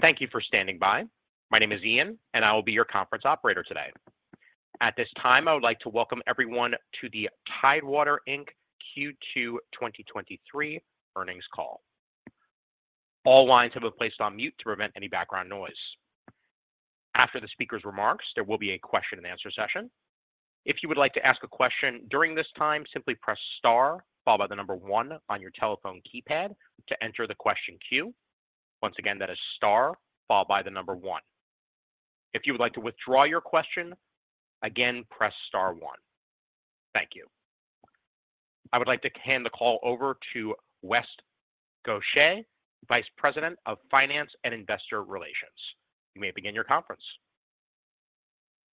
Thank you for standing by. My name is Ian, and I will be your conference operator today. At this time, I would like to welcome everyone to the Tidewater Inc. Q2 2023 Earnings Call. All lines have been placed on mute to prevent any background noise. After the speaker's remarks, there will be a question and answer session. If you would like to ask a question during this time, simply press star followed by 1 on your telephone keypad to enter the question queue. Once again, that is star followed by 1. If you would like to withdraw your question, again, press star 1. Thank you. I would like to hand the call over to West Gaudet, Vice President of Finance and Investor Relations. You may begin your conference.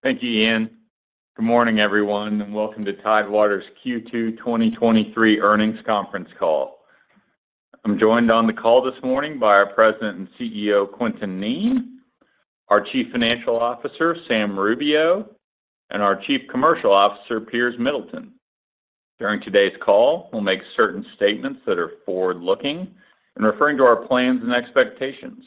Thank you, Ian. Good morning, everyone, and welcome to Tidewater's Q2 2023 Earnings Conference Call. I'm joined on the call this morning by our President and CEO, Quintin Kneen, our Chief Financial Officer, Sam Rubio, and our Chief Commercial Officer, Piers Middleton. During today's call, we'll make certain statements that are forward-looking and referring to our plans and expectations.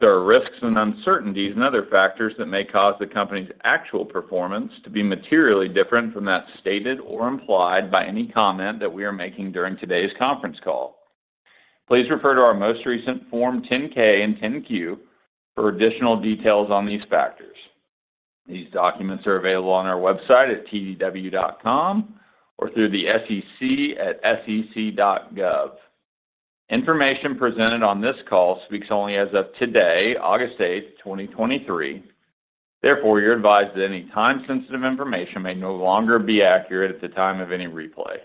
There are risks and uncertainties and other factors that may cause the company's actual performance to be materially different from that stated or implied by any comment that we are making during today's conference call. Please refer to our most recent Form 10-K and 10-Q for additional details on these factors. These documents are available on our website at tdw.com or through the SEC at sec.gov. Information presented on this call speaks only as of today, August 8, 2023. Therefore, you're advised that any time-sensitive information may no longer be accurate at the time of any replay.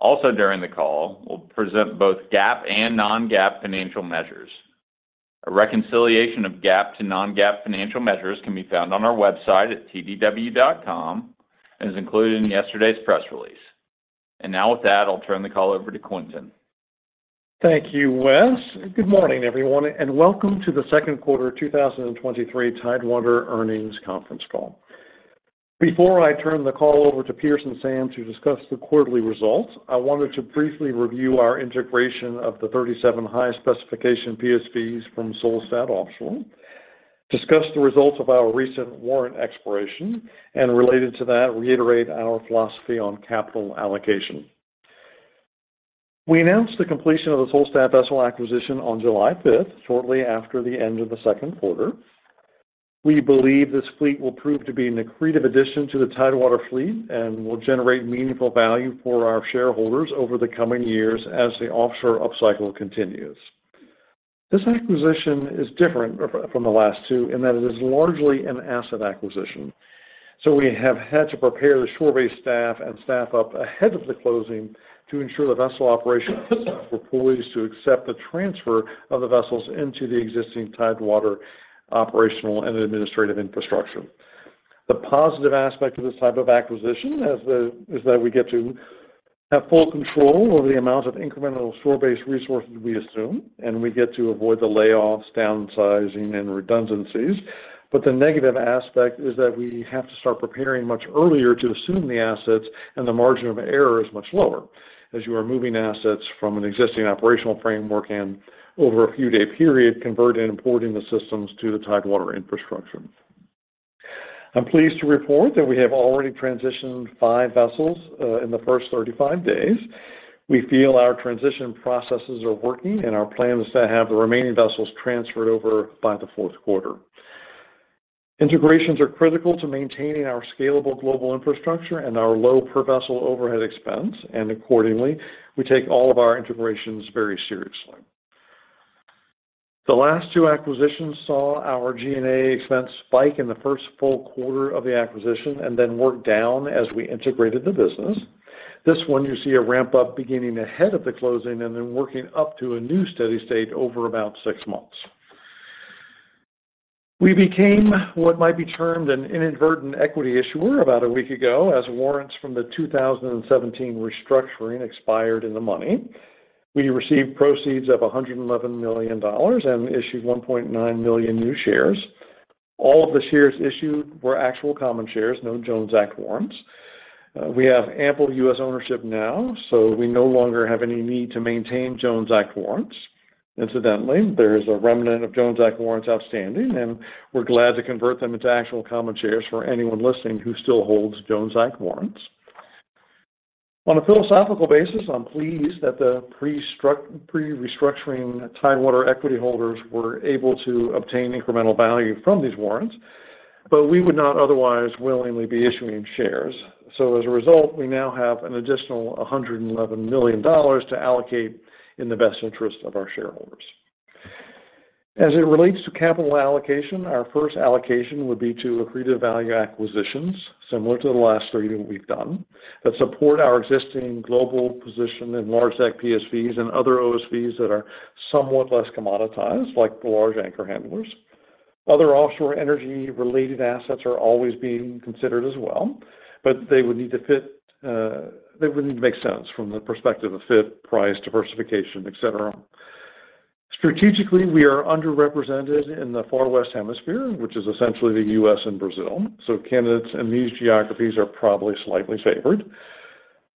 Also, during the call, we'll present both GAAP and non-GAAP financial measures. A reconciliation of GAAP to non-GAAP financial measures can be found on our website at tdw.com and is included in yesterday's press release. Now with that, I'll turn the call over to Quintin. Thank you, West. Good morning, everyone, and welcome to the second quarter of 2023 Tidewater Earnings conference call. Before I turn the call over to Piers and Sam to discuss the quarterly results, I wanted to briefly review our integration of the 37 high specification PSVs from Solstad Offshore, discuss the results of our recent warrant expiration, and related to that, reiterate our philosophy on capital allocation. We announced the completion of the Solstad vessel acquisition on July 5th, shortly after the end of the second quarter. We believe this fleet will prove to be an accretive addition to the Tidewater fleet and will generate meaningful value for our shareholders over the coming years as the offshore upcycle continues. This acquisition is different from the last 2 in that it is largely an asset acquisition. We have had to prepare the shore-based staff and staff up ahead of the closing to ensure the vessel operations were poised to accept the transfer of the vessels into the existing Tidewater operational and administrative infrastructure. The positive aspect of this type of acquisition is that we get to have full control over the amount of incremental shore-based resources we assume, and we get to avoid the layoffs, downsizing, and redundancies. The negative aspect is that we have to start preparing much earlier to assume the assets, and the margin of error is much lower as you are moving assets from an existing operational framework and over a few day period, converting and importing the systems to the Tidewater infrastructure. I'm pleased to report that we have already transitioned five vessels in the first 35 days. We feel our transition processes are working, and our plan is to have the remaining vessels transferred over by the fourth quarter. Integrations are critical to maintaining our scalable global infrastructure and our low per vessel overhead expense, and accordingly, we take all of our integrations very seriously. The last two acquisitions saw our G&A expense spike in the first full quarter of the acquisition and then work down as we integrated the business. This one, you see a ramp-up beginning ahead of the closing and then working up to a new steady state over about six months. We became what might be termed an inadvertent equity issuer about a week ago, as warrants from the 2017 restructuring expired in the money. We received proceeds of $111 million and issued 1.9 million new shares. All of the shares issued were actual common shares, no Jones Act warrants. We have ample US ownership now, so we no longer have any need to maintain Jones Act warrants. Incidentally, there is a remnant of Jones Act warrants outstanding, and we're glad to convert them into actual common shares for anyone listening who still holds Jones Act warrants. On a philosophical basis, I'm pleased that the pre-restructuring Tidewater equity holders were able to obtain incremental value from these warrants, but we would not otherwise willingly be issuing shares. As a result, we now have an additional $111 million to allocate in the best interest of our shareholders. As it relates to capital allocation, our first allocation would be to accretive value acquisitions, similar to the last three that we've done, that support our existing global position in large stack PSVs and other OSVs that are somewhat less commoditized, like the large anchor handlers. Other offshore energy-related assets are always being considered as well, but they would need to fit. They would need to make sense from the perspective of fit, price, diversification, et cetera. Strategically, we are underrepresented in the Far West Hemisphere, which is essentially the U.S. and Brazil. Candidates in these geographies are probably slightly favored.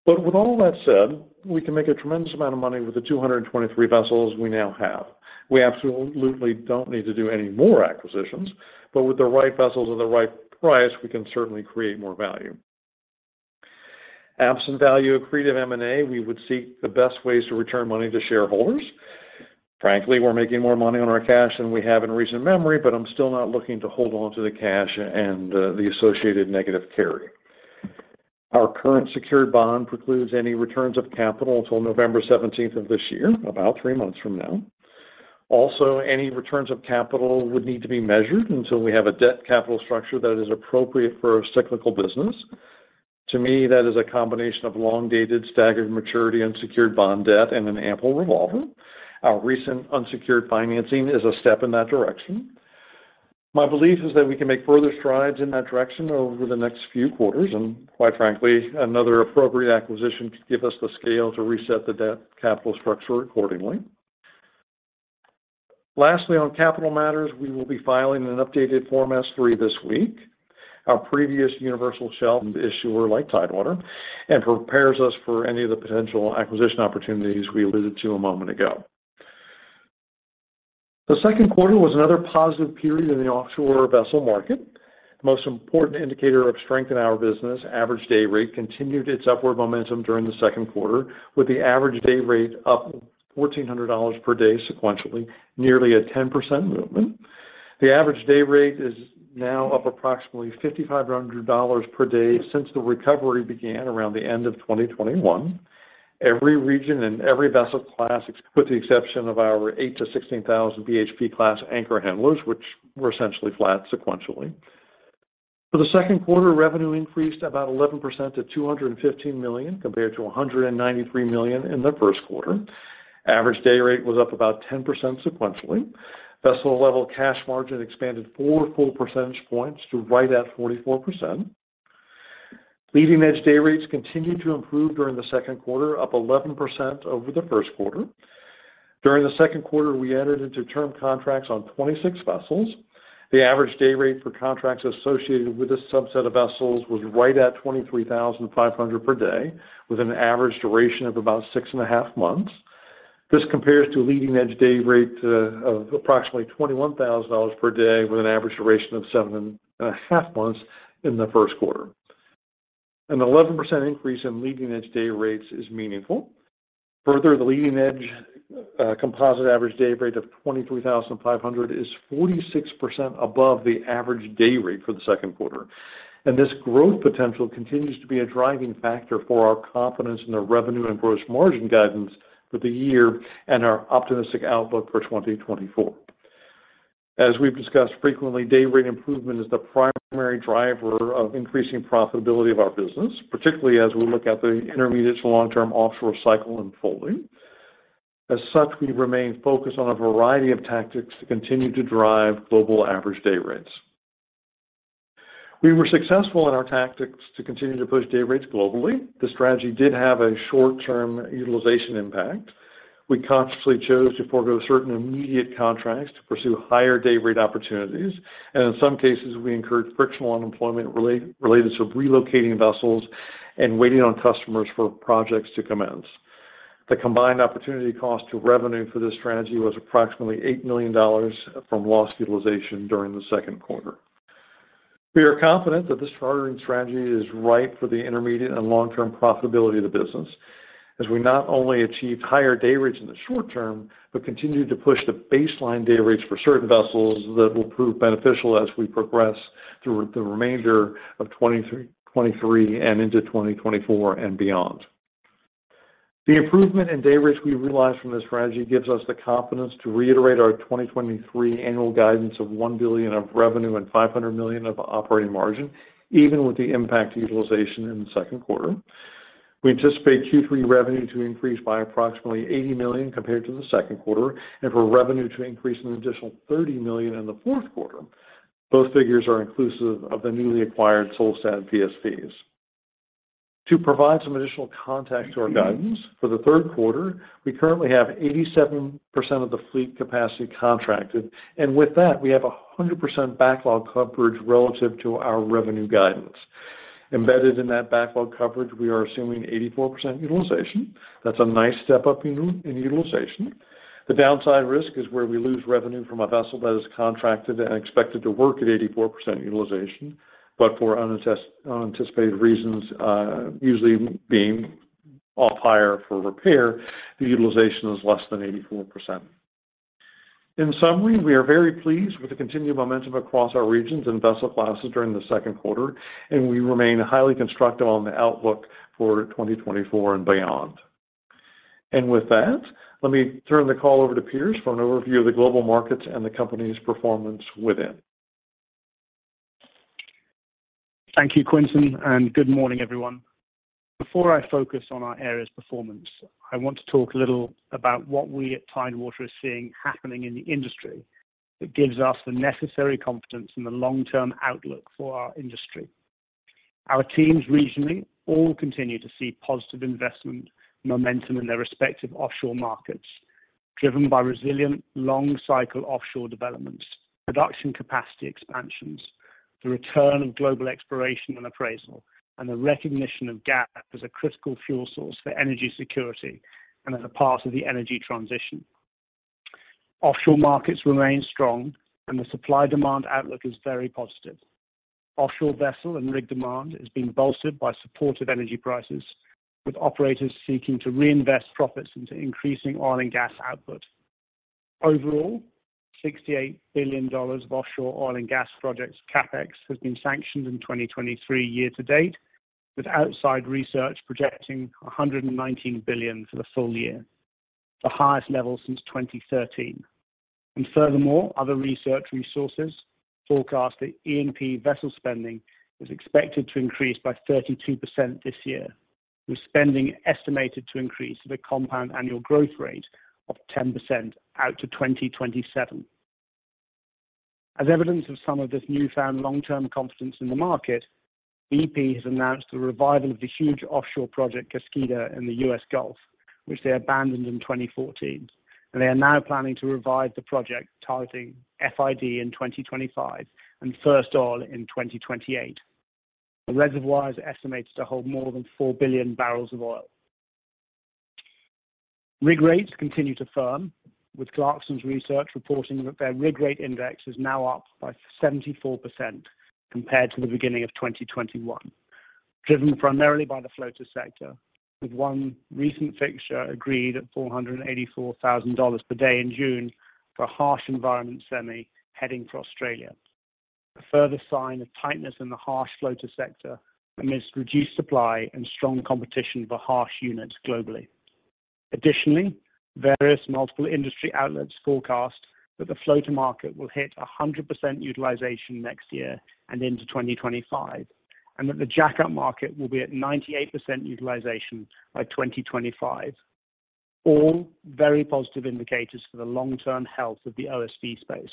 With all that said, we can make a tremendous amount of money with the 223 vessels we now have. We absolutely don't need to do any more acquisitions. With the right vessels at the right price, we can certainly create more value. Absent value accretive M&A, we would seek the best ways to return money to shareholders. Frankly, we're making more money on our cash than we have in recent memory, but I'm still not looking to hold on to the cash and the associated negative carry. Our current secured bond precludes any returns of capital until November 17th of this year, about 3 months from now. Any returns of capital would need to be measured until we have a debt capital structure that is appropriate for a cyclical business. To me, that is a combination of long-dated, staggered maturity, and secured bond debt, and an ample revolver. Our recent unsecured financing is a step in that direction. My belief is that we can make further strides in that direction over the next few quarters, and quite frankly, another appropriate acquisition could give us the scale to reset the debt capital structure accordingly. Lastly, on capital matters, we will be filing an updated Form S-3 this week. Our previous universal shell and issuer like Tidewater, and prepares us for any of the potential acquisition opportunities we alluded to a moment ago. The second quarter was another positive period in the offshore vessel market. Most important indicator of strength in our business, average day rate, continued its upward momentum during the second quarter, with the average day rate up $1,400 per day sequentially, nearly a 10% movement. The average day rate is now up approximately $5,500 per day since the recovery began around the end of 2021. Every region and every vessel class, with the exception of our 8,000-16,000 BHP class anchor handlers, which were essentially flat sequentially. For the second quarter, revenue increased about 11% to $215 million, compared to $193 million in the H1. Average day rate was up about 10% sequentially. Vessel level cash margin expanded 4 full percentage points to right at 44%. Leading edge day rates continued to improve during the second quarter, up 11% over the first quarter. During the second quarter, we entered into term contracts on 26 vessels. The average day rate for contracts associated with this subset of vessels was right at $23,500 per day, with an average duration of about six and a half months. This compares to a leading edge day rate, of approximately $21,000 per day, with an average duration of seven and a half months in the first quarter. An 11% increase in leading edge day rates is meaningful. Further, the leading edge, composite average day rate of $23,500 is 46% above the average day rate for the second quarter. This growth potential continues to be a driving factor for our confidence in the revenue and gross margin guidance for the year and our optimistic outlook for 2024. As we've discussed frequently, day rate improvement is the primary driver of increasing profitability of our business, particularly as we look at the intermediate to long-term offshore cycle unfolding. As such, we remain focused on a variety of tactics to continue to drive global average day rates. We were successful in our tactics to continue to push day rates globally. The strategy did have a short-term utilization impact. We consciously chose to forego certain immediate contracts to pursue higher day rate opportunities, and in some cases, we incurred frictional unemployment related to relocating vessels and waiting on customers for projects to commence. The combined opportunity cost to revenue for this strategy was approximately $8 million from lost utilization during the second quarter. We are confident that this chartering strategy is right for the intermediate and long-term profitability of the business, as we not only achieved higher day rates in the short term, but continued to push the baseline day rates for certain vessels that will prove beneficial as we progress through the remainder of 2023 and into 2024 and beyond. The improvement in day rates we realized from this strategy gives us the confidence to reiterate our 2023 annual guidance of $1 billion of revenue and $500 million of operating margin, even with the impact utilization in the second quarter. We anticipate Q3 revenue to increase by approximately $80 million compared to the second quarter, for revenue to increase an additional $30 million in the fourth quarter. Both figures are inclusive of the newly acquired Solstad PSVs. To provide some additional context to our guidance, for the third quarter, we currently have 87% of the fleet capacity contracted, and with that, we have 100% backlog coverage relative to our revenue guidance. Embedded in that backlog coverage, we are assuming 84% utilization. That's a nice step up in utilization. The downside risk is where we lose revenue from a vessel that is contracted and expected to work at 84% utilization, but for unanticipated reasons, usually being off hire for repair, the utilization is less than 84%. In summary, we are very pleased with the continued momentum across our regions and vessel classes during the second quarter, and we remain highly constructive on the outlook for 2024 and beyond. With that, let me turn the call over to Piers for an overview of the global markets and the company's performance within. Thank you, Quintin, and good morning, everyone. Before I focus on our area's performance, I want to talk a little about what we at Tidewater are seeing happening in the industry that gives us the necessary confidence in the long-term outlook for our industry. Our teams regionally all continue to see positive investment momentum in their respective offshore markets, driven by resilient long cycle offshore developments, production capacity expansions, the return of global exploration and appraisal, and the recognition of gas as a critical fuel source for energy security and as a part of the energy transition. Offshore markets remain strong, and the supply-demand outlook is very positive. Offshore vessel and rig demand has been bolstered by supportive energy prices, with operators seeking to reinvest profits into increasing oil and gas output. Overall, $68 billion of offshore oil and gas projects CapEx has been sanctioned in 2023 year to date, with outside research projecting $119 billion for the full year, the highest level since 2013. Furthermore, other research resources forecast that E&P vessel spending is expected to increase by 32% this year, with spending estimated to increase at a compound annual growth rate of 10% out to 2027. As evidence of some of this newfound long-term confidence in the market, BP has announced the revival of the huge offshore project, Kaskida, in the US Gulf, which they abandoned in 2014, and they are now planning to revive the project, targeting FID in 2025 and first oil in 2028. The reservoir is estimated to hold more than 4 billion barrels of oil. Rig rates continue to firm, with Clarksons Research reporting that their rig rate index is now up by 74% compared to the beginning of 2021, driven primarily by the floater sector, with one recent fixture agreed at $484,000 per day in June for a harsh environment semi heading for Australia. A further sign of tightness in the harsh floater sector amidst reduced supply and strong competition for harsh units globally. Additionally, various multiple industry outlets forecast that the floater market will hit 100% utilization next year and into 2025, and that the jackup market will be at 98% utilization by 2025. All very positive indicators for the long-term health of the OSV space.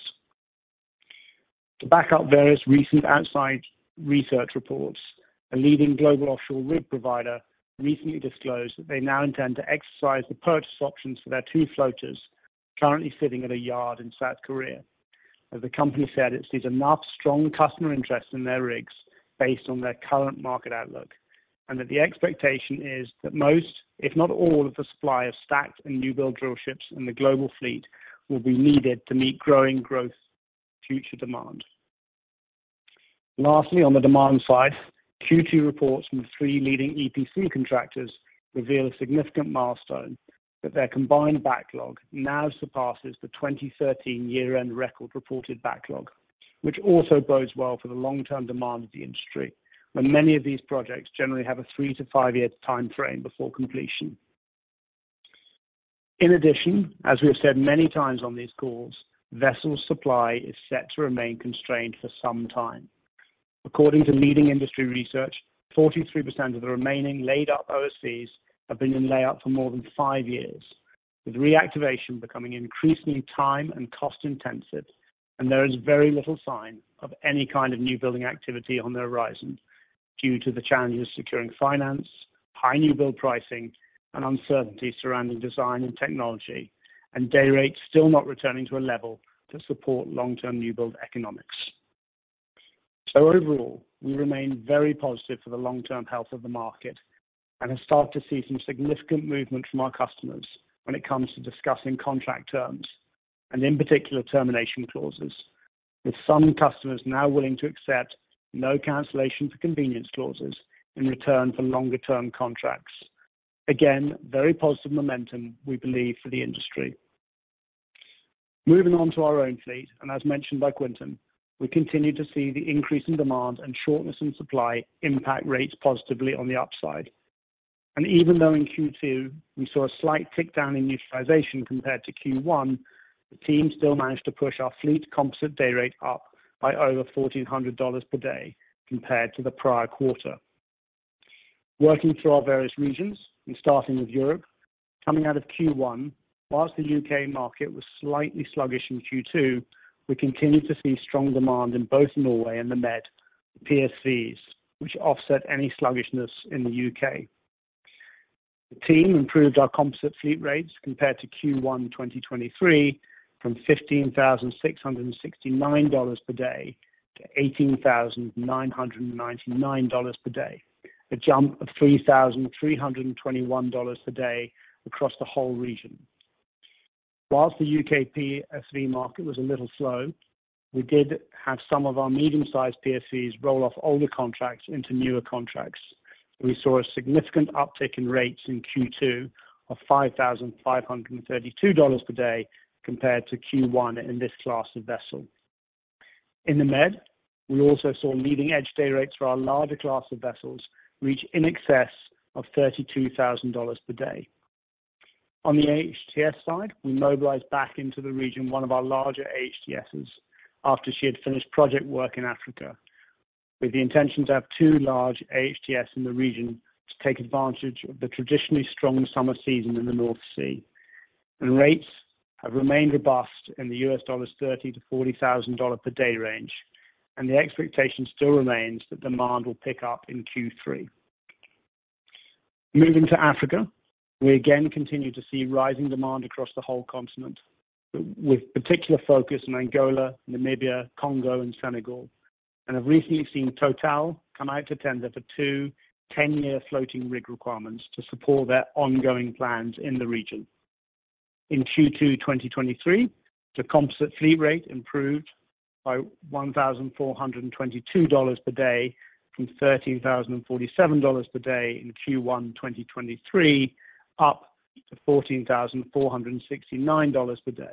To back up various recent outside research reports, a leading global offshore rig provider recently disclosed that they now intend to exercise the purchase options for their 2 floaters currently sitting at a yard in South Korea. As the company said, it sees enough strong customer interest in their rigs based on their current market outlook, and that the expectation is that most, if not all, of the supply of stacked and newbuild drillships in the global fleet will be needed to meet growing growth future demand. Lastly, on the demand side, Q2 reports from the 3 leading EPC contractors reveal a significant milestone that their combined backlog now surpasses the 2013 year-end record reported backlog, which also bodes well for the long-term demand of the industry, when many of these projects generally have a 3-5 year time frame before completion. In addition, as we have said many times on these calls, vessel supply is set to remain constrained for some time. According to leading industry research, 43% of the remaining laid-up OSVs have been in layout for more than five years, with reactivation becoming increasingly time and cost intensive, and there is very little sign of any kind of new building activity on the horizon due to the challenges of securing finance, high new build pricing, and uncertainty surrounding design and technology, and day rates still not returning to a level to support long-term new build economics. Overall, we remain very positive for the long-term health of the market and have started to see some significant movement from our customers when it comes to discussing contract terms, and in particular, termination clauses, with some customers now willing to accept no cancellation for convenience clauses in return for longer term contracts. Again, very positive momentum, we believe, for the industry. Moving on to our own fleet, as mentioned by Quintin, we continue to see the increase in demand and shortness in supply impact rates positively on the upside. Even though in Q2, we saw a slight tick down in utilization compared to Q1, the team still managed to push our fleet composite day rate up by over $1,400 per day compared to the prior quarter. Working through our various regions, starting with Europe, coming out of Q1, whilst the UK market was slightly sluggish in Q2, we continued to see strong demand in both Norway and the Med PSVs, which offset any sluggishness in the UK. The team improved our composite fleet rates compared to Q1 2023 from $15,669 per day to $18,999 per day, a jump of $3,321 per day across the whole region. Whilst the UK PSV market was a little slow, we did have some of our medium-sized PSVs roll off older contracts into newer contracts. We saw a significant uptick in rates in Q2 of $5,532 per day compared to Q1 in this class of vessel. In the Med, we also saw leading-edge day rates for our larger class of vessels reach in excess of $32,000 per day. On the AHTS side, we mobilized back into the region one of our larger AHTSs after she had finished project work in Africa, with the intention to have two large AHTS in the region to take advantage of the traditionally strong summer season in the North Sea. Rates have remained robust in the U.S. dollars $30,000-$40,000 per day range, and the expectation still remains that demand will pick up in Q3. Moving to Africa, we again continue to see rising demand across the whole continent, with particular focus in Angola, Namibia, Congo, and Senegal, and have recently seen TotalEnergies come out to tender for two 10-year floating rig requirements to support their ongoing plans in the region. In Q2, 2023, the composite fleet rate improved by $1,422 per day, from $13,047 per day in Q1, 2023, up to $14,469 per day,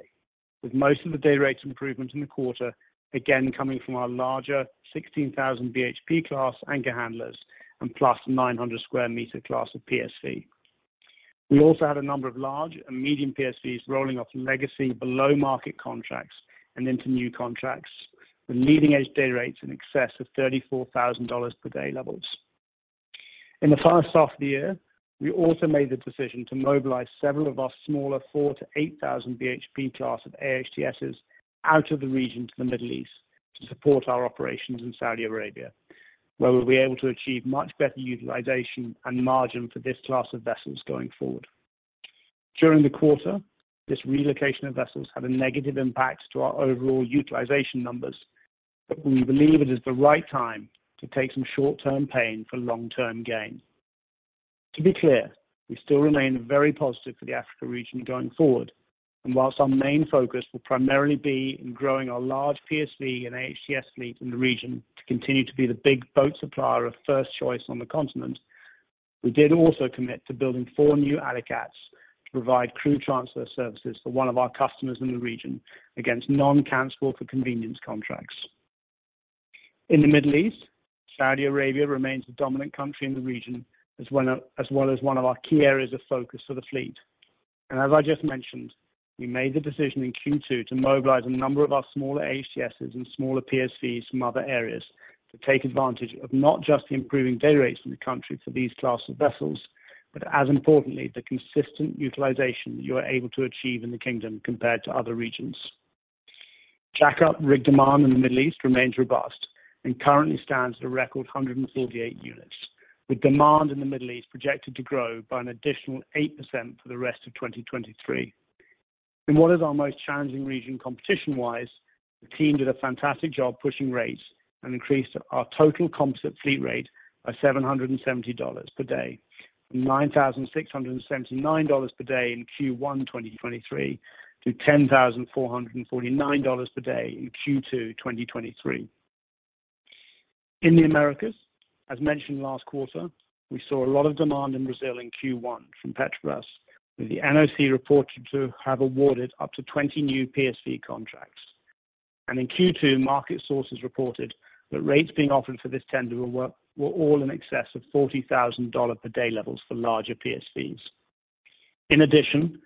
with most of the day rates improvement in the quarter again coming from our larger 16,000 BHP class anchor handlers and + 900 sq m class of PSV. We also had a number of large and medium PSVs rolling off legacy below market contracts and into new contracts, with leading-edge day rates in excess of $34,000 per day levels. In the first half of the year, we also made the decision to mobilize several of our smaller 4,000-8,000 BHP class of AHTS out of the region to the Middle East to support our operations in Saudi Arabia, where we'll be able to achieve much better utilization and margin for this class of vessels going forward. During the quarter, this relocation of vessels had a negative impact to our overall utilization numbers. We believe it is the right time to take some short-term pain for long-term gain. To be clear, we still remain very positive for the Africa region going forward, and whilst our main focus will primarily be in growing our large PSC and AHTS fleet in the region to continue to be the big boat supplier of first choice on the continent, we did also commit to building four new AlliCats to provide crew transfer services for one of our customers in the region against non-cancel for convenience contracts. In the Middle East, Saudi Arabia remains the dominant country in the region, as well as one of our key areas of focus for the fleet. As I just mentioned, we made the decision in Q2 to mobilize a number of our smaller AHTSs and smaller PSVs from other areas to take advantage of not just the improving day rates in the country for these class of vessels, but as importantly, the consistent utilization you are able to achieve in the kingdom compared to other regions. Jack-up rig demand in the Middle East remains robust and currently stands at a record 148 units, with demand in the Middle East projected to grow by an additional 8% for the rest of 2023. In what is our most challenging region, competition-wise, the team did a fantastic job pushing rates and increased our total composite fleet rate by $770 per day, from $9,679 per day in Q1 2023, to $10,449 per day in Q2 2023. In the Americas, as mentioned last quarter, we saw a lot of demand in Brazil in Q1 from Petrobras, with the NOC reported to have awarded up to 20 new PSC contracts. In Q2, market sources reported that rates being offered for this tender were, were all in excess of $40,000 per day levels for larger PSVs. In addition,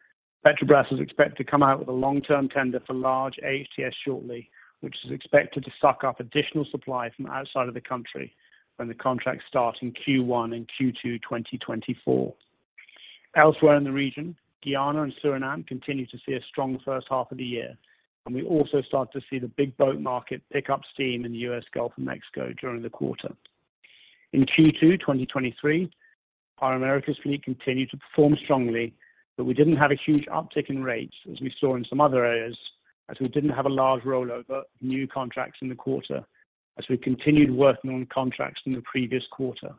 Petrobras is expected to come out with a long-term tender for large AHTS shortly, which is expected to suck up additional supply from outside of the country when the contract starts in Q1 and Q2, 2024. Elsewhere in the region, Guyana and Suriname continue to see a strong first half of the year, and we also start to see the big boat market pick up steam in the US Gulf and Mexico during the quarter. In Q2, 2023, our Americas fleet continued to perform strongly, but we didn't have a huge uptick in rates as we saw in some other areas, as we didn't have a large rollover of new contracts in the quarter as we continued working on contracts from the previous quarter.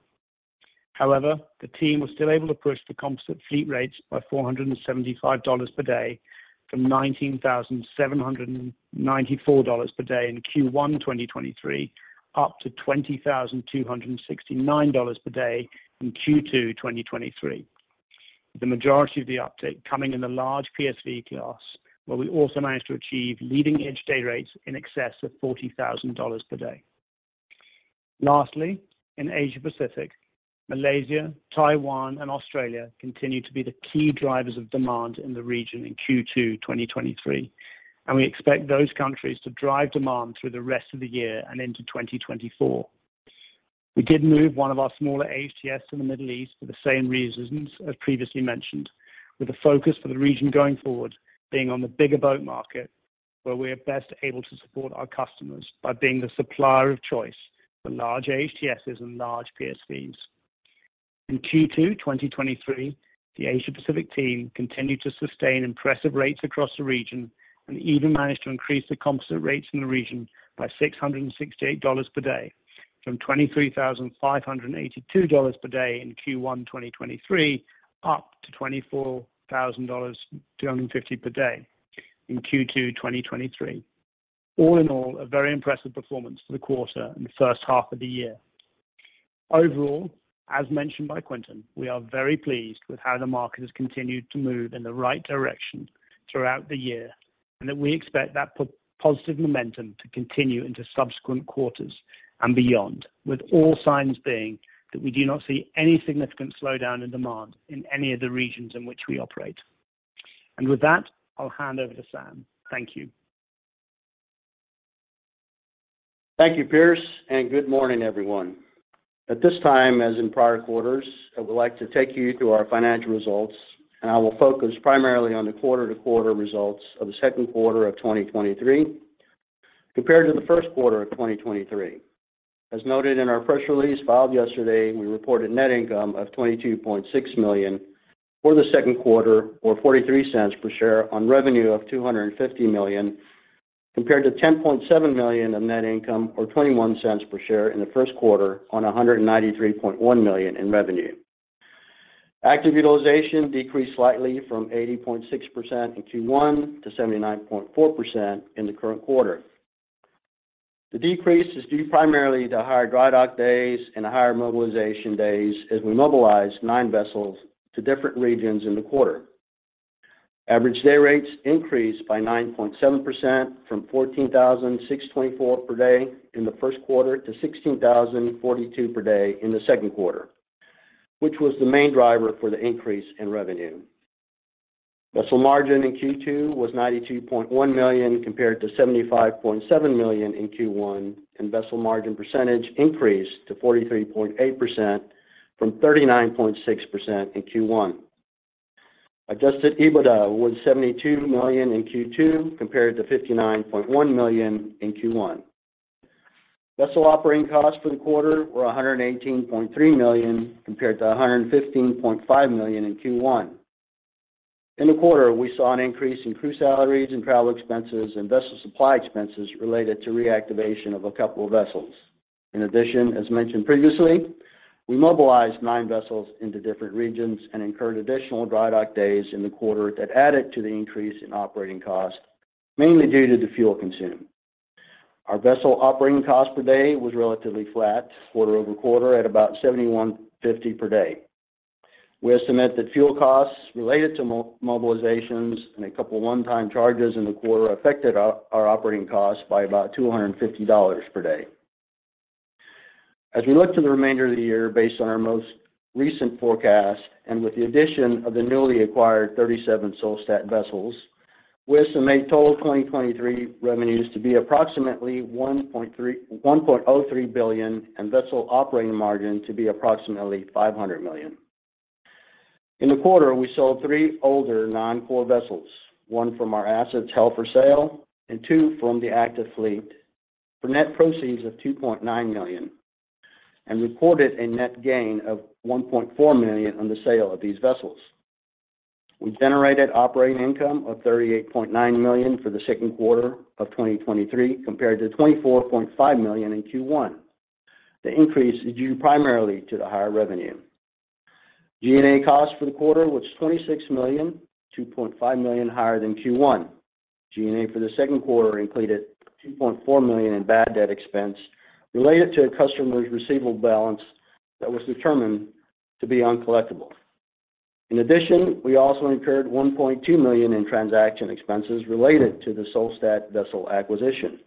The team was still able to push the composite fleet rates by $475 per day, from $19,794 per day in Q1, 2023, up to $20,269 per day in Q2, 2023. The majority of the uptick coming in the large PSC class, where we also managed to achieve leading-edge day rates in excess of $40,000 per day. Lastly, in Asia Pacific, Malaysia, Taiwan, and Australia continue to be the key drivers of demand in the region in Q2, 2023, and we expect those countries to drive demand through the rest of the year and into 2024. We did move one of our smaller AHTS to the Middle East for the same reasons as previously mentioned, with a focus for the region going forward, being on the bigger boat market, where we are best able to support our customers by being the supplier of choice for large AHTS and large PSVs. In Q2 2023, the Asia Pacific team continued to sustain impressive rates across the region and even managed to increase the composite rates in the region by $668 per day, from $23,582 per day in Q1 2023, up to $24,250 per day in Q2 2023. All in all, a very impressive performance for the quarter and the first half of the year. Overall, as mentioned by Quintin, we are very pleased with how the market has continued to move in the right direction throughout the year, and that we expect that positive momentum to continue into subsequent quarters and beyond, with all signs being that we do not see any significant slowdown in demand in any of the regions in which we operate. With that, I'll hand over to Sam. Thank you. Thank you, Piers. Good morning, everyone. At this time, as in prior quarters, I would like to take you through our financial results, and I will focus primarily on the quarter-to-quarter results of the second quarter of 2023 compared to the first quarter of 2023. As noted in our press release filed yesterday, we reported net income of $22.6 million for the second quarter, or $0.43 per share on revenue of $250 million, compared to $10.7 million in net income, or $0.21 per share in the first quarter, on $193.1 million in revenue. Active utilization decreased slightly from 80.6% in Q1 to 79.4% in the current quarter. The decrease is due primarily to higher dry dock days and higher mobilization days, as we mobilized 9 vessels to different regions in the quarter. Average day rates increased by 9.7% from $14,624 per day in the first quarter to $16,042 per day in the second quarter, which was the main driver for the increase in revenue. Vessel margin in Q2 was $92.1 million, compared to $75.7 million in Q1, and vessel margin percentage increased to 43.8% from 39.6% in Q1. Adjusted EBITDA was $72 million in Q2, compared to $59.1 million in Q1. Vessel operating costs for the quarter were $118.3 million, compared to $115.5 million in Q1. In the quarter, we saw an increase in crew salaries and travel expenses, and vessel supply expenses related to reactivation of a couple of vessels. In addition, as mentioned previously, we mobilized 9 vessels into different regions and incurred additional dry dock days in the quarter that added to the increase in operating costs, mainly due to the fuel consumed. Our vessel operating cost per day was relatively flat quarter-over-quarter at about $71.50 per day. We estimate that fuel costs related to mobilizations and a couple of one-time charges in the quarter affected our operating costs by about $250 per day. As we look to the remainder of the year based on our most recent forecast, and with the addition of the newly acquired 37 Solstad vessels, we estimate total 2023 revenues to be approximately $1.3- $1.03 billion, and vessel operating margin to be approximately $500 million. In the quarter, we sold 3 older non-core vessels, 1 from our assets held for sale and 2 from the active fleet, for net proceeds of $2.9 million, and reported a net gain of $1.4 million on the sale of these vessels. We generated operating income of $38.9 million for the second quarter of 2023, compared to $24.5 million in Q1. The increase is due primarily to the higher revenue. G&A costs for the quarter was $26 million, $2.5 million higher than Q1. G&A for the second quarter included $2.4 million in bad debt expense related to a customer's receivable balance that was determined to be uncollectible. In addition, we also incurred $1.2 million in transaction expenses related to the Solstad vessel acquisition.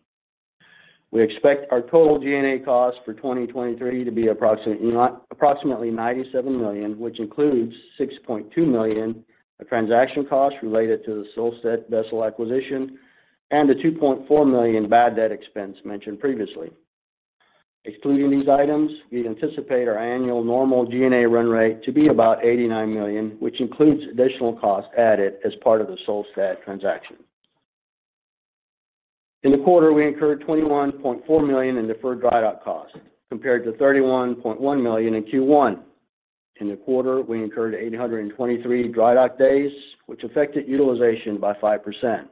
We expect our total G&A costs for 2023 to be approximately $97 million, which includes $6.2 million of transaction costs related to the Solstad vessel acquisition and the $2.4 million bad debt expense mentioned previously. Excluding these items, we anticipate our annual normal G&A run rate to be about $89 million, which includes additional costs added as part of the Solstad transaction. In the quarter, we incurred $21.4 million in deferred dry dock costs, compared to $31.1 million in Q1. In the quarter, we incurred 823 dry dock days, which affected utilization by 5%.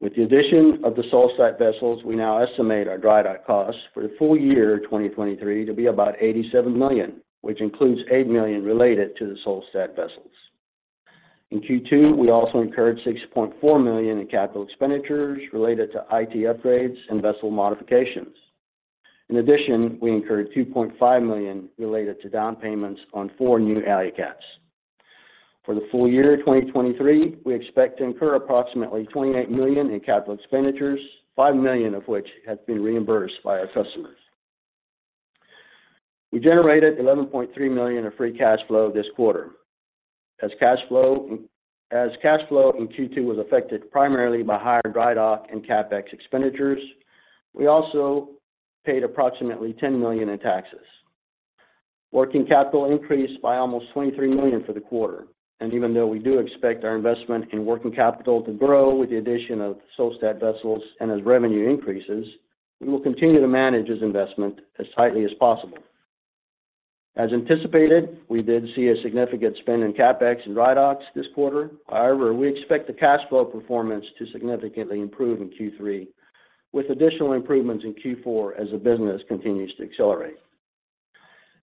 With the addition of the Solstad vessels, we now estimate our dry dock costs for the full year 2023 to be about $87 million, which includes $8 million related to the Solstad vessels. In Q2, we also incurred $6.4 million in capital expenditures related to IT upgrades and vessel modifications. In addition, we incurred $2.5 million related to down payments on four new AlliCats. For the full year 2023, we expect to incur approximately $28 million in capital expenditures, $5 million of which has been reimbursed by our customers. We generated $11.3 million of free cash flow this quarter. Cash flow in Q2 was affected primarily by higher dry dock and CapEx expenditures, we also paid approximately $10 million in taxes. Working capital increased by almost $23 million for the quarter, and even though we do expect our investment in working capital to grow with the addition of Solstad vessels and as revenue increases, we will continue to manage this investment as tightly as possible. As anticipated, we did see a significant spend in CapEx and dry docks this quarter. However, we expect the cash flow performance to significantly improve in Q3, with additional improvements in Q4 as the business continues to accelerate.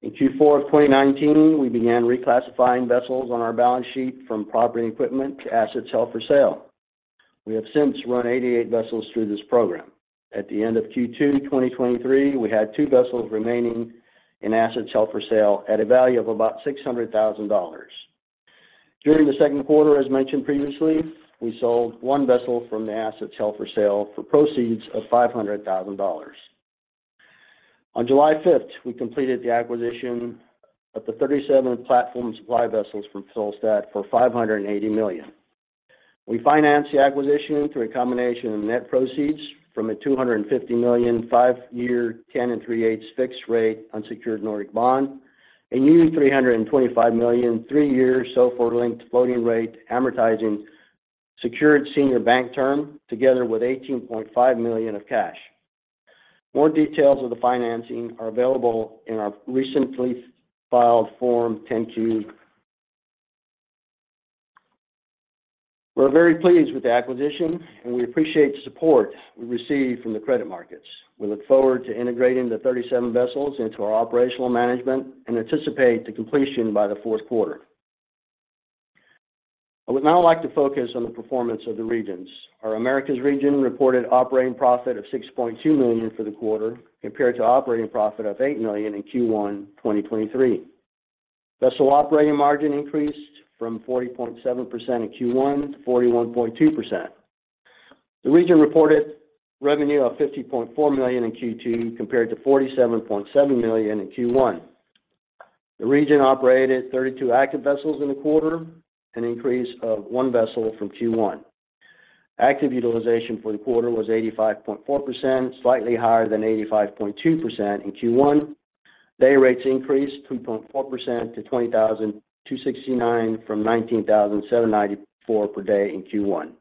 In Q4 of 2019, we began reclassifying vessels on our balance sheet from property equipment to assets held for sale. We have since run 88 vessels through this program. At the end of Q2 2023, we had two vessels remaining in assets held for sale at a value of about $600,000. During the second quarter, as mentioned previously, we sold one vessel from the assets held for sale for proceeds of $500,000. On July 5th, we completed the acquisition of the 37 PSVs from Solstad for $580 million. We financed the acquisition through a combination of net proceeds from a $250 million, 5-year, 10 3/8% fixed rate unsecured Nordic bond, a new $325 million, 3-year, SOFR linked floating rate amortizing secured senior bank term, together with $18.5 million of cash. More details of the financing are available in our recently filed Form 10-Q. We're very pleased with the acquisition, and we appreciate the support we received from the credit markets. We look forward to integrating the 37 vessels into our operational management and anticipate the completion by the fourth quarter. I would now like to focus on the performance of the regions. Our Americas region reported operating profit of $6.2 million for the quarter, compared to operating profit of $8 million in Q1 2023. Vessel operating margin increased from 40.7% in Q1 to 41.2%. The region reported revenue of $50.4 million in Q2, compared to $47.7 million in Q1. The region operated 32 active vessels in the quarter, an increase of 1 vessel from Q1. Active utilization for the quarter was 85.4%, slightly higher than 85.2% in Q1. Day rates increased 2.4% to $20,269 from $19,794 per day in Q1.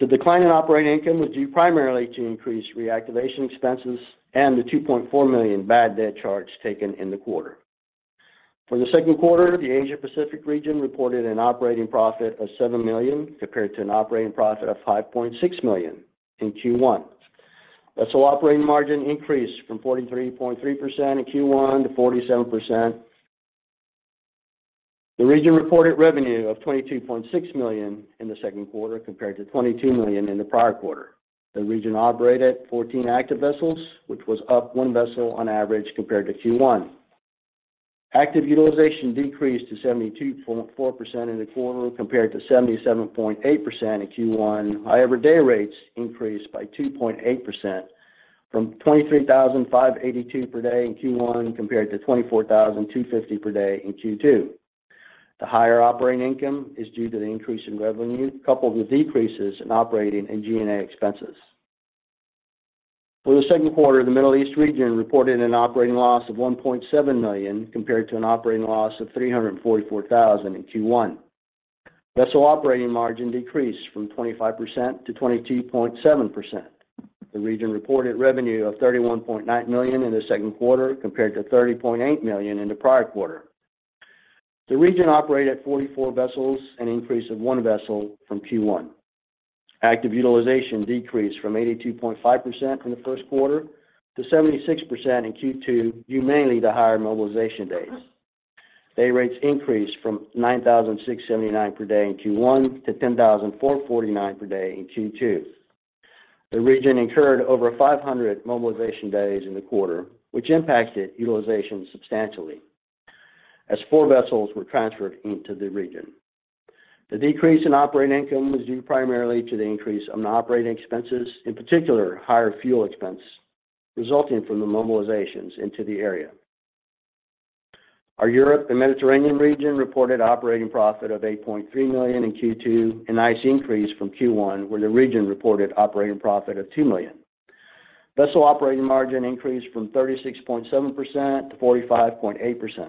The decline in operating income was due primarily to increased reactivation expenses and the $2.4 million bad debt charge taken in the quarter. For the second quarter, the Asia Pacific region reported an operating profit of $7 million, compared to an operating profit of $5.6 million in Q1. Vessel operating margin increased from 43.3% in Q1 to 47%. The region reported revenue of $22.6 million in the second quarter, compared to $22 million in the prior quarter. The region operated 14 active vessels, which was up one vessel on average compared to Q1. Active utilization decreased to 72.4% in the quarter, compared to 77.8% in Q1. However, day rates increased by 2.8% from 23,582 per day in Q1 compared to 24,250 per day in Q2. The higher operating income is due to the increase in revenue, coupled with decreases in operating and G&A expenses. For the second quarter, the Middle East region reported an operating loss of $1.7 million, compared to an operating loss of $344,000 in Q1. Vessel operating margin decreased from 25%-22.7%. The region reported revenue of $31.9 million in the second quarter, compared to $30.8 million in the prior quarter. The region operated 44 vessels, an increase of 1 vessel from Q1. Active utilization decreased from 82.5% in the first quarter to 76% in Q2, due mainly to higher mobilization days. Day rates increased from $9,679 per day in Q1 to $10,449 per day in Q2. The region incurred over 500 mobilization days in the quarter, which impacted utilization substantially as 4 vessels were transferred into the region. The decrease in operating income was due primarily to the increase on operating expenses, in particular, higher fuel expense resulting from the mobilizations into the area. Our Europe and Mediterranean region reported operating profit of $8.3 million in Q2, a nice increase from Q1, where the region reported operating profit of $2 million. Vessel operating margin increased from 36.7% to 45.8%.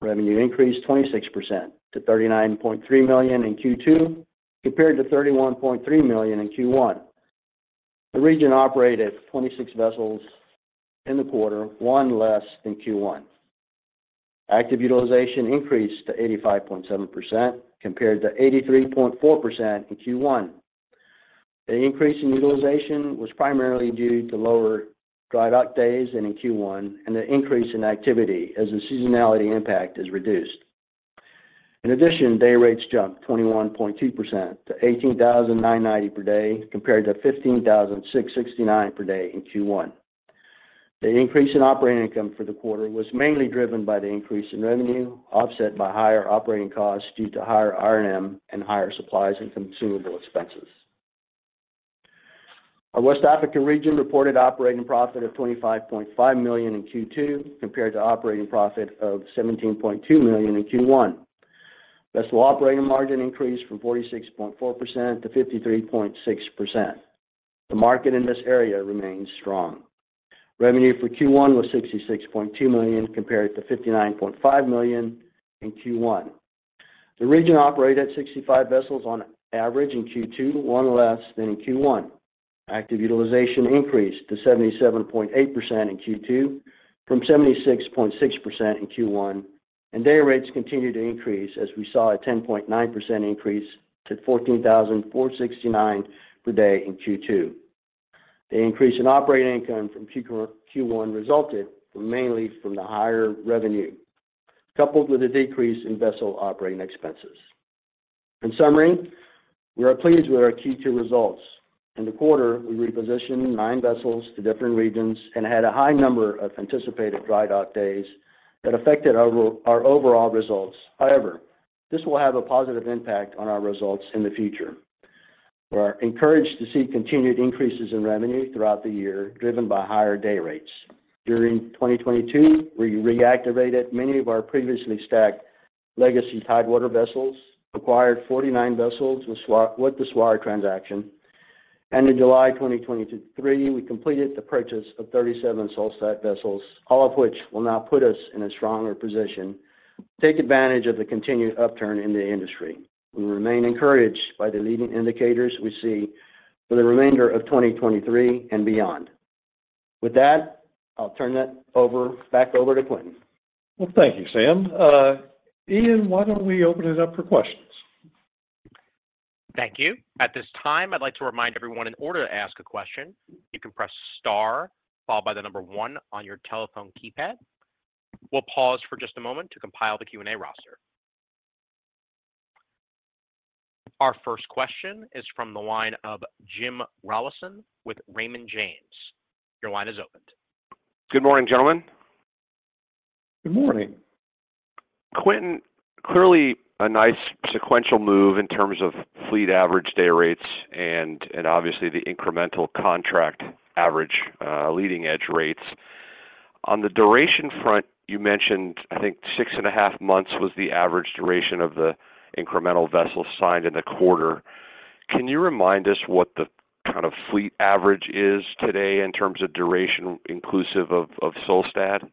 Revenue increased 26% to $39.3 million in Q2, compared to $31.3 million in Q1. The region operated 26 vessels in the quarter, 1 less than Q1. Active utilization increased to 85.7%, compared to 83.4% in Q1. The increase in utilization was primarily due to lower drydock days than in Q1 and an increase in activity as the seasonality impact is reduced. In addition, day rates jumped 21.2% to $18,990 per day, compared to $15,669 per day in Q1. The increase in operating income for the quarter was mainly driven by the increase in revenue, offset by higher operating costs due to higher R&M and higher supplies and consumable expenses. Our West African region reported operating profit of $25.5 million in Q2, compared to operating profit of $17.2 million in Q1. Vessel operating margin increased from 46.4%-53.6%. The market in this area remains strong. Revenue for Q1 was $66.2 million, compared to $59.5 million in Q1. The region operated 65 vessels on average in Q2, 1 less than in Q1. Active utilization increased to 77.8% in Q2 from 76.6% in Q1, and day rates continued to increase as we saw a 10.9% increase to $14,469 per day in Q2. The increase in operating income from Q1 resulted mainly from the higher revenue, coupled with a decrease in vessel operating expenses. In summary, we are pleased with our Q2 results. In the quarter, we repositioned 9 vessels to different regions and had a high number of anticipated drydock days that affected our overall results. However, this will have a positive impact on our results in the future. We are encouraged to see continued increases in revenue throughout the year, driven by higher day rates. During 2022, we reactivated many of our previously stacked legacy Tidewater vessels, acquired 49 vessels with the Swire transaction, and in July 2023, we completed the purchase of 37 Solstad vessels, all of which will now put us in a stronger position. Take advantage of the continued upturn in the industry. We remain encouraged by the leading indicators we see for the remainder of 2023 and beyond. With that, I'll turn it over, back over to Quentin. Well, thank you, Sam. Ian, why don't we open it up for questions? Thank you. At this time, I'd like to remind everyone, in order to ask a question, you can press star followed by the number one on your telephone keypad. We'll pause for just a moment to compile the Q&A roster. Our first question is from the line of James Rollyson with Raymond James. Your line is opened. Good morning, gentlemen. Good morning. Quentin, clearly a nice sequential move in terms of fleet average day rates and obviously the incremental contract average leading edge rates. On the duration front, you mentioned, I think, 6.5 months was the average duration of the incremental vessels signed in the quarter. Can you remind us what the kind of fleet average is today in terms of duration, inclusive of Solstad?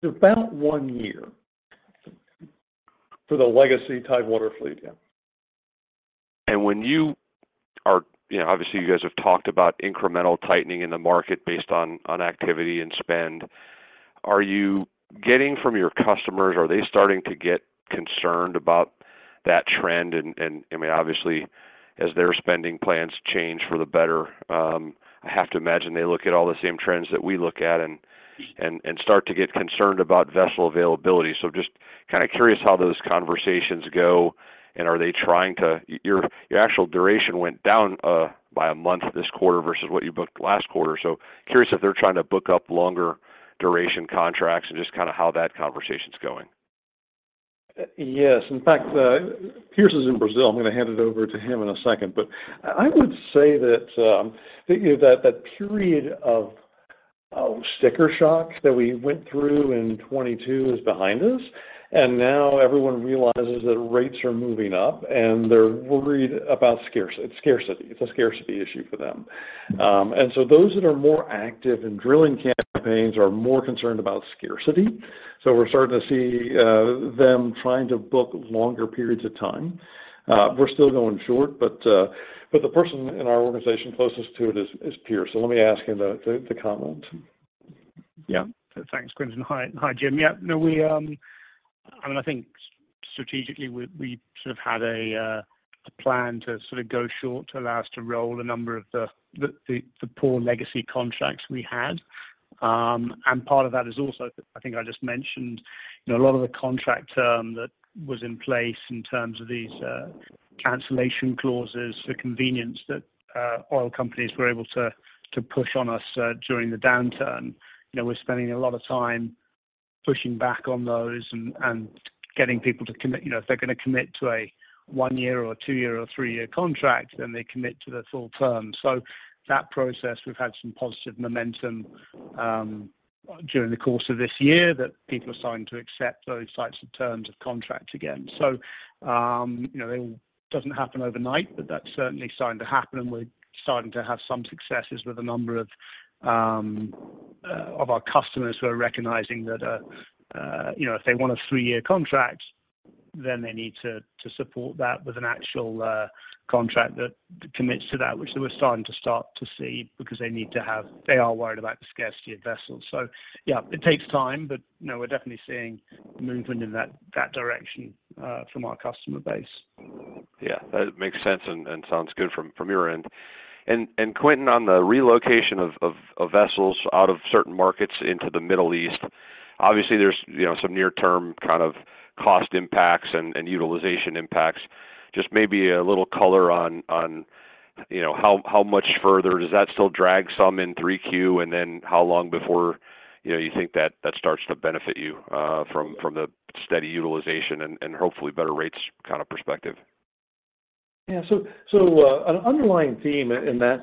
It's about one year for the legacy Tidewater fleet, yeah. When you are- you know, obviously, you guys have talked about incremental tightening in the market based on, on activity and spend. Are you getting from your customers, are they starting to get concerned about that trend? I mean, obviously, as their spending plans change for the better, I have to imagine they look at all the same trends that we look at and start to get concerned about vessel availability. Just kind of curious how those conversations go, and are they trying to? Your, your actual duration went down, by month this quarter versus what you booked last quarter. Curious if they're trying to book up longer duration contracts and just kind of how that conversation is going. Yes. In fact, Piers is in Brazil. I'm going to hand it over to him in a second. I would say that, that, you know, that that period of, of sticker shock that we went through in 2022 is behind us, and now everyone realizes that rates are moving up, and they're worried about scarce- scarcity. It's a scarcity issue for them. So those that are more active in drilling campaigns are more concerned about scarcity. We're starting to see, them trying to book longer periods of time. We're still going short, but the person in our organization closest to it is, is Piers. So let me ask him to, to, to comment. Yeah. Thanks, Quentin, and hi, hi, James. Yeah, no, we, I mean, I think strategically, we, we sort of had a plan to sort of go short to allow us to roll a number of the, the, the poor legacy contracts we had. Part of that is also, I think I just mentioned, you know, a lot of the contract term that was in place in terms of these cancellation clauses, the convenience that oil companies were able to push on us during the downturn. You know, we're spending a lot of time pushing back on those and getting people to commit. You know, if they're going to commit to a 1-year or a 2-year or 3-year contract, then they commit to the full term. That process, we've had some positive momentum, during the course of this year, that people are starting to accept those types of terms of contract again. You know, it doesn't happen overnight, but that's certainly starting to happen, and we're starting to have some successes with a number of our customers who are recognizing that, you know, if they want a 3-year contract, then they need to, to support that with an actual contract that commits to that, which we're starting to start to see because they need to they are worried about the scarcity of vessels. Yeah, it takes time, but no, we're definitely seeing movement in that, that direction, from our customer base. Yeah, that makes sense and, and Quentin, on the relocation of, of, of vessels out of certain markets into the Middle East, obviously, there's, you know, some near-term kind of cost impacts and, and utilization impacts. Just maybe a little color on, on, you know, how, how much further? Does that still drag some in 3Q, and then how long before, you know, you think that starts to benefit you, from, from the steady utilization and, and hopefully better rates kind of perspective? Yeah. So, so, an underlying theme in that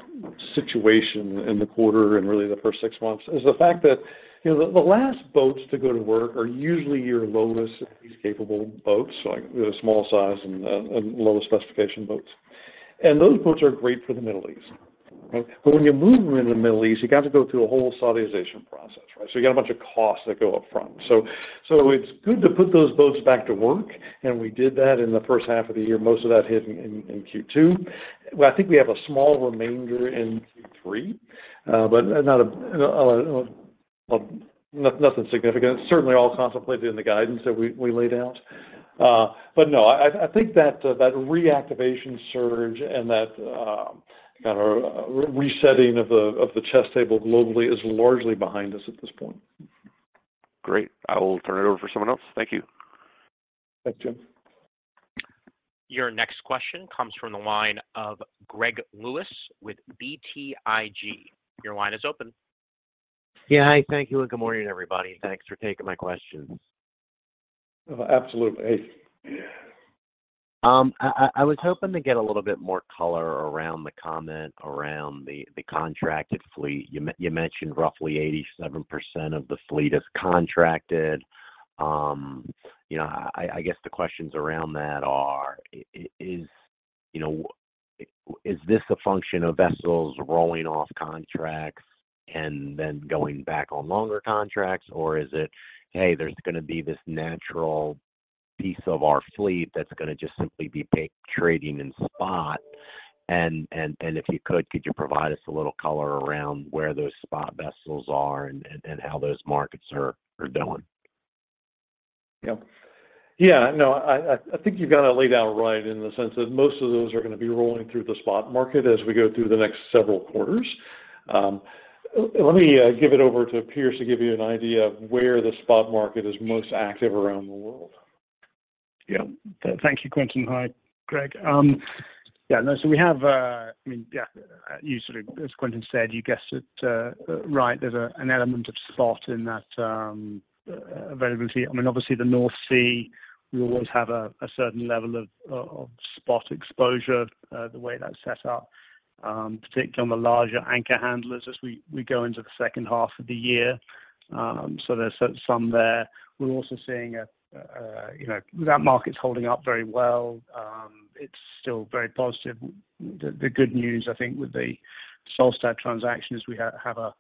situation in the quarter and really the 1st 6 months is the fact that, you know, the, the last boats to go to work are usually your lowest capable boats, like the small-size and lowest-specification boats. Those boats are great for the Middle East. Right? When you move them in the Middle East, you got to go through a whole Saudization process, right? You got a bunch of costs that go up front. It's good to put those boats back to work, and we did that in the 1st half of the year. Most of that hit in, in, in Q2. Well, I think we have a small remainder in Q3, but not a, well, nothing significant. Certainly all contemplated in the guidance that we, we laid out. No, I, I think that, that reactivation surge and that, kind of resetting of the, of the chess table globally is largely behind us at this point. Great. I will turn it over for someone else. Thank you. Thanks, James. Your next question comes from the line of Greg Lewis with BTIG. Your line is open. Yeah, hi. Thank you, and good morning, everybody. Thanks for taking my questions. Absolutely. I was hoping to get a little bit more color around the comment around the, the contracted fleet. You mentioned roughly 87% of the fleet is contracted. You know, I guess the questions around that are: You know, is this a function of vessels rolling off contracts and then going back on longer contracts? Or is it, hey, there's gonna be this natural piece of our fleet that's gonna just simply be big trading in spot? If you could, could you provide us a little color around where those spot vessels are and, and, and how those markets are, are doing? Yeah. Yeah, no, I, I think you've got it laid out right in the sense that most of those are gonna be rolling through the spot market as we go through the next several quarters. let me give it over to Piers to give you an idea of where the spot market is most active around the world. Yeah. Thank you, Quentin. Hi, Greg. Yeah, no, so we have, I mean, yeah, you sort of... As Quentin said, you guessed it right. There's an element of spot in that availability. I mean, obviously, the North Sea, we always have a certain level of spot exposure, the way that's set up, particularly on the larger anchor handlers as we go into the second half of the year. So there's some there. We're also seeing, you know, that market's holding up very well. It's still very positive. The good news, I think, with the Solstad transaction is we have a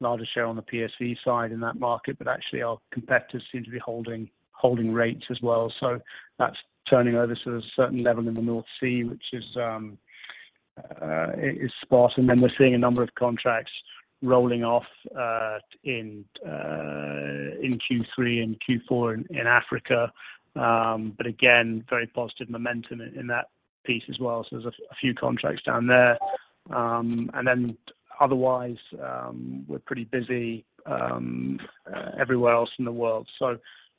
larger share on the PSV side in that market, but actually, our competitors seem to be holding rates as well. That's turning over to a certain level in the North Sea, which is spot. We're seeing a number of contracts rolling off in Q3 and Q4 in Africa. Again, very positive momentum in that piece as well. There's a few contracts down there. Otherwise, we're pretty busy everywhere else in the world.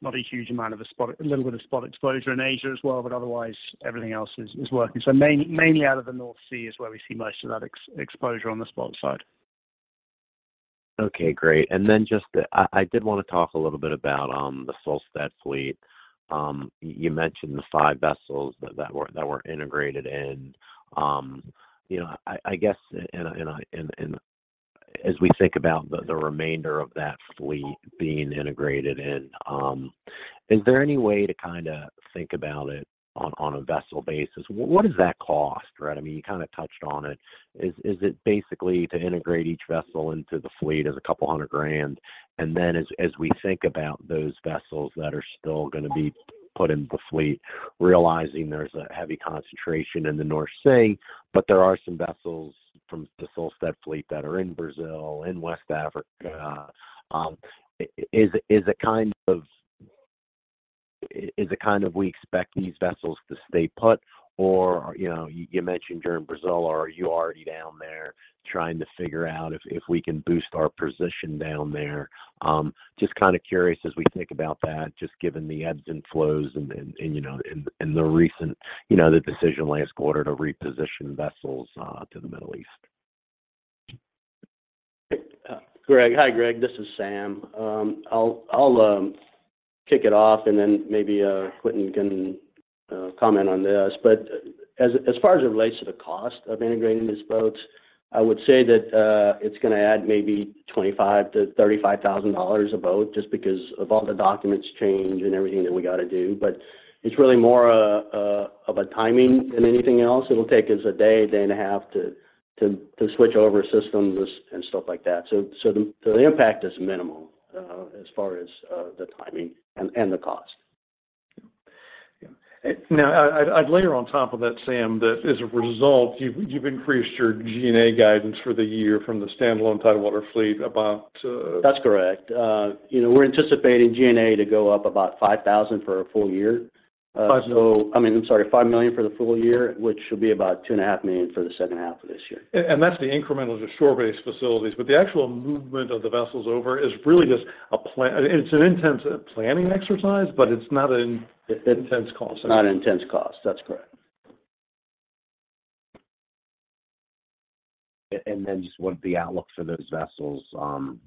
Not a huge amount of a spot, a little bit of spot exposure in Asia as well, but otherwise, everything else is working. Mainly out of the North Sea is where we see most of that exposure on the spot side. Okay, great. Then just, I, I did want to talk a little bit about the Solstad fleet. You mentioned the 5 vessels that, that were, that were integrated in. You know, I, I guess, as we think about the remainder of that fleet being integrated in, is there any way to kind of think about it on a vessel basis? What does that cost, right? I mean, you kind of touched on it. Is, is it basically to integrate each vessel into the fleet is $200,000? Then as, as we think about those vessels that are still gonna be put in the fleet, realizing there's a heavy concentration in the North Sea, but there are some vessels from the Solstad fleet that are in Brazil, in West Africa. is, is it kind of, is it kind of we expect these vessels to stay put, or, you know, you, you mentioned you're in Brazil, or are you already down there trying to figure out if, if we can boost our position down there, just kind of curious as we think about that, just given the ebbs and flows and, and, you know, and, and the recent, you know, the decision last quarter to reposition vessels to the Middle East? Greg. Hi, Greg, this is Sam. I'll, I'll kick it off, and then maybe Quentin can comment on this. As, as far as it relates to the cost of integrating these boats, I would say that, it's gonna add maybe $25,000-$35,000 a boat, just because of all the documents change and everything that we got to do. It's really more a, a, of a timing than anything else. It'll take us a day, day and a half, to, to, to switch over systems and stuff like that. So the, so the impact is minimal, as far as, the timing and, and the cost. Yeah. Now, I, I'd, I'd layer on top of that, Sam, that as a result, you've, you've increased your G&A guidance for the year from the standalone Tidewater fleet about. That's correct. You know, we're anticipating G&A to go up about $5,000 for a full year. Five- I mean, I'm sorry, $5 million for the full year, which will be about $2.5 million for the second half of this year. That's the incremental, the shore-based facilities, but the actual movement of the vessels over is really just an intensive planning exercise, but it's not an intense cost. Not an intense cost. That's correct. Just what the outlook for those vessels,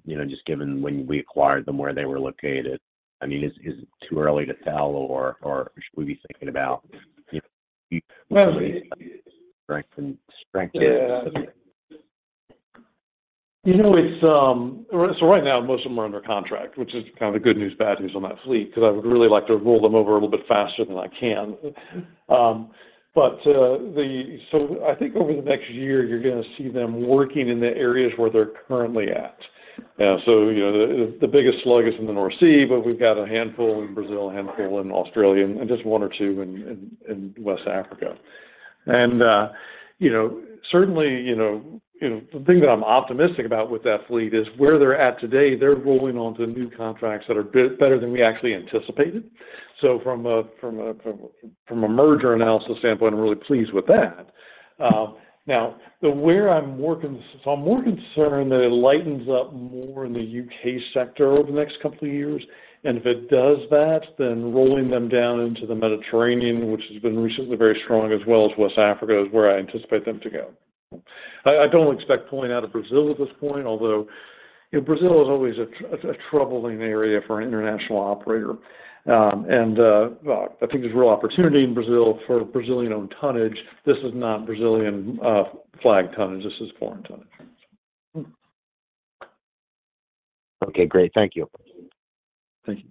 you know, just given when we acquired them, where they were located. I mean, is, is it too early to tell, or, or should we be thinking about, you know? Well. Strengthen, strengthen? Yeah. You know, it's, right now, most of them are under contract, which is kind of the good news, bad news on that fleet, because I would really like to roll them over a little bit faster than I can. So I think over the next year, you're gonna see them working in the areas where they're currently at. You know, the, the biggest slug is in the North Sea, but we've got a handful in Brazil, a handful in Australia, and just one or two in, in, in West Africa. You know, certainly, you know, you know, the thing that I'm optimistic about with that fleet is where they're at today, they're rolling on to new contracts that are bit better than we actually anticipated. From a merger analysis standpoint, I'm really pleased with that. Now, I'm more concerned that it lightens up more in the UK sector over the next couple of years. If it does that, then rolling them down into the Mediterranean, which has been recently very strong, as well as West Africa, is where I anticipate them to go. I, I don't expect pulling out of Brazil at this point, although, you know, Brazil is always a, a troubling area for an international operator. Well, I think there's real opportunity in Brazil for Brazilian-owned tonnage. This is not Brazilian flag tonnage, this is foreign tonnage. Okay, great. Thank you. Thank you.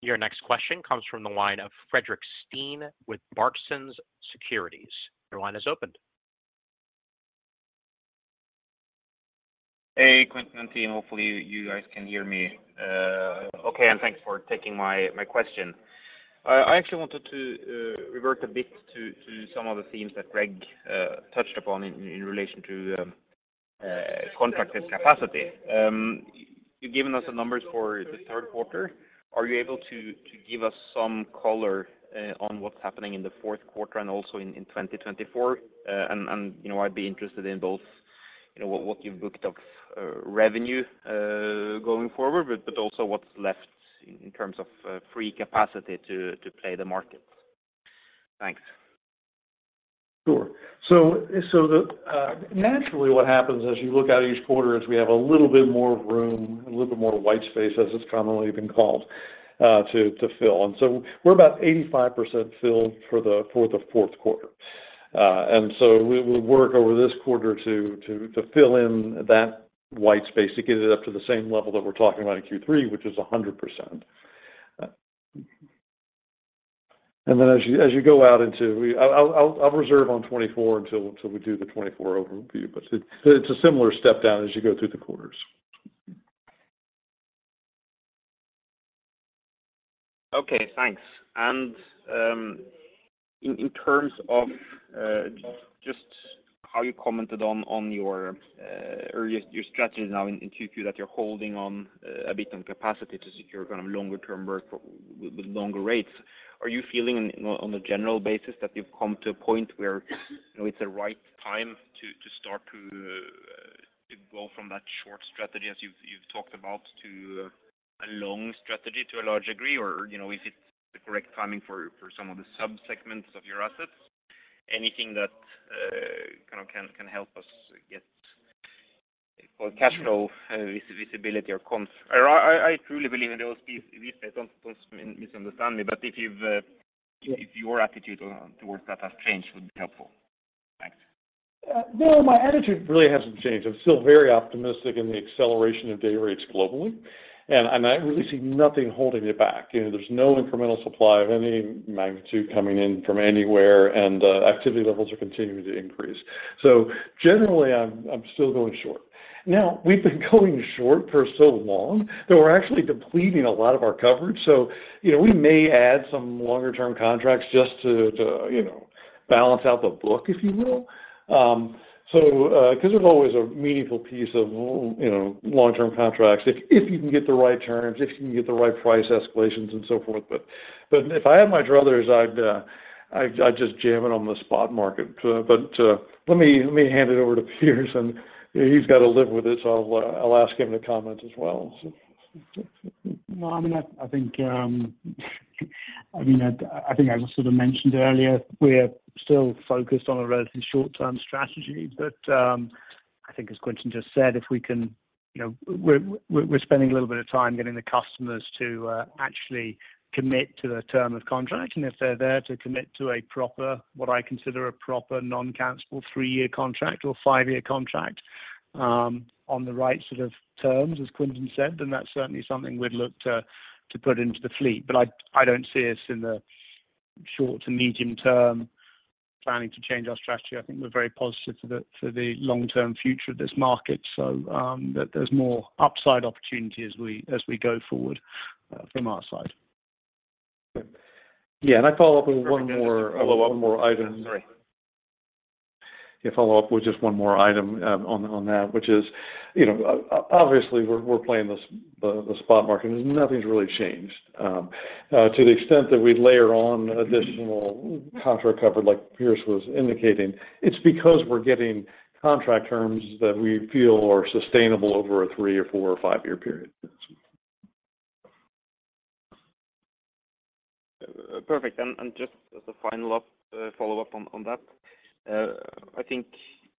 Your next question comes from the line of Fredrik Steen with Clarksons Securities. Your line is opened. Hey, Quintin and team. Hopefully, you guys can hear me. Okay, and thanks for taking my question. I actually wanted to revert a bit to some of the themes that Greg touched upon in relation to contracted capacity. You've given us the numbers for the third quarter. Are you able to give us some color on what's happening in the fourth quarter and also in 2024? You know, I'd be interested in both, you know, what you've booked of revenue going forward, but also what's left in terms of free capacity to play the market. Thanks. Sure. So, so the, naturally, what happens as you look at each quarter is we have a little bit more room, a little bit more white space, as it's commonly been called, to fill. So we're about 85% filled for the fourth quarter. So we work over this quarter to fill in that white space to get it up to the same level that we're talking about in Q3, which is 100%. Then as you go out into... I'll reserve on 2024 until we do the 2024 overview, but it's a similar step down as you go through the quarters. Okay, thanks. In, in terms of just how you commented on, on your, or your, your strategy now in Q2, that you're holding on a bit on capacity to secure kind of longer-term work with, with longer rates. Are you feeling on, on a general basis, that you've come to a point where, you know, it's the right time to, to start to go from that short strategy, as you've, you've talked about, to a long strategy, to a large degree? Or, you know, is it the correct timing for, for some of the subsegments of your assets? Anything that kind of, can, can help us get more cash flow, vis-visibility or con-? I, I, I truly believe in those piece- at least, don't, don't misunderstand me, but if you've, if your attitude on towards that has changed, would be helpful. Thanks. No, my attitude really hasn't changed. I'm still very optimistic in the acceleration of day rates globally, I'm not really seeing nothing holding it back. You know, there's no incremental supply of any magnitude coming in from anywhere, activity levels are continuing to increase. Generally, I'm, I'm still going short. Now, we've been going short for so long that we're actually depleting a lot of our coverage. You know, we may add some longer-term contracts just to, to, you know, balance out the book, if you will. Because there's always a meaningful piece of, you know, long-term contracts, if, if you can get the right terms, if you can get the right price escalations and so forth. But if I had my druthers, I'd, I'd, I'd just jam it on the spot market. Let me, let me hand it over to Piers, and he's got to live with this, so I'll, I'll ask him to comment as well. Well, I mean, I, I think, I mean, I, I think I sort of mentioned earlier, we're still focused on a relatively short-term strategy. I think as Quentin just said, if we can, you know, we're, we're, we're spending a little bit of time getting the customers to actually commit to the term of contract. If they're there to commit to a proper, what I consider a proper, non-cancelable 3-year contract or 5-year contract, on the right sort of terms, as Quentin said, then that's certainly something we'd look to to put into the fleet. I, I don't see us in the short to medium term planning to change our strategy. I think we're very positive for the long-term future of this market, so, that there's more upside opportunity as we, as we go forward, from our side. Yeah, I follow up with one more, one more item. Sorry. Yeah, follow up with just one more item, on, on that, which is, you know, obviously, we're, we're playing the spot market, nothing's really changed. To the extent that we layer on additional contract cover, like Piers was indicating, it's because we're getting contract terms that we feel are sustainable over a three or four or five-year period. Perfect. Just as a final up, follow-up on that, I think,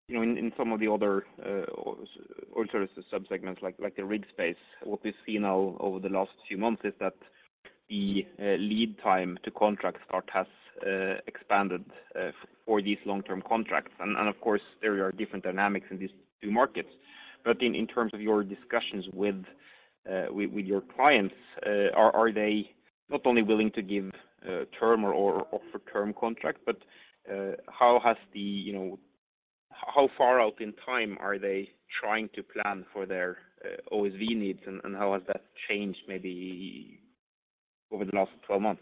you know, in some of the other oil services subsegments, like the rig space, what we've seen now over the last few months is that the lead time to contract start has expanded for these long-term contracts. Of course, there are different dynamics in these two markets. In terms of your discussions with, with your clients, are they not only willing to give term or offer term contract, but how has the you know, how far out in time are they trying to plan for their OSV needs, and how has that changed, maybe over the last 12 months?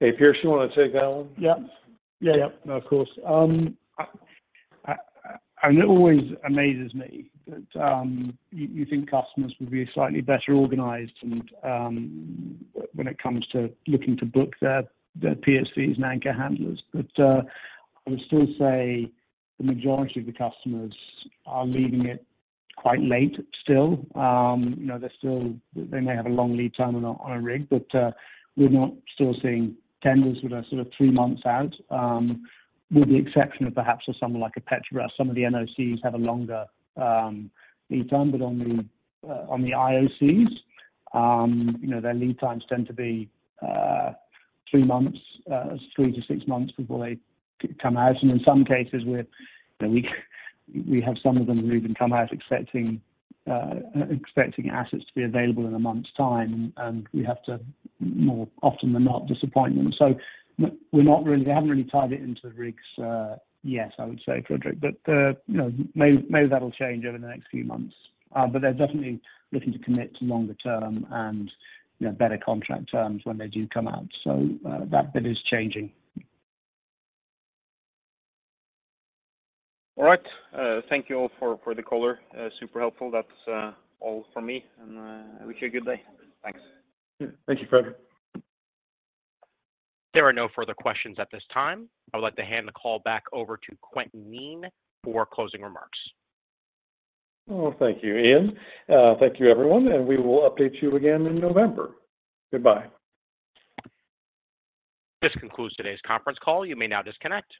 Hey, Piers, you want to take that one? Yeah. Yeah, yeah. Of course. I, I, and it always amazes me that you, you think customers would be slightly better organized and when it comes to looking to book their, their PSVs and anchor handlers. I would still say the majority of the customers are leaving it quite late still. You know, they're still. They may have a long lead time on a, on a rig, but we're not still seeing tenders that are sort of 3 months out with the exception of perhaps of someone like Petrobras. Some of the NOCs have a longer lead time, on the IOCs, you know, their lead times tend to be 3 months, 3-6 months before they come out. In some cases with, you know, we, we have some of them who even come out expecting, expecting assets to be available in a month's time, and we have to, more often than not, disappoint them. We're not really, they haven't really tied it into the rigs, yet, I would say, Fredrik, but, you know, maybe that'll change over the next few months. They're definitely looking to commit to longer term and, you know, better contract terms when they do come out. That bit is changing. All right. Thank you all for, for the color. Super helpful. That's all from me, and I wish you a good day. Thanks. Thank you, Fredrik. There are no further questions at this time. I would like to hand the call back over to Quintin Kneen for closing remarks. Well, thank you, Ian. Thank you, everyone, and we will update you again in November. Goodbye. This concludes today's conference call. You may now disconnect.